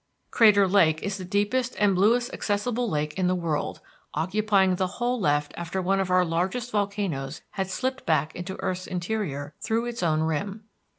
Crater Lake is the deepest and bluest accessible lake in the world, occupying the hole left after one of our largest volcanoes had slipped back into earth's interior through its own rim.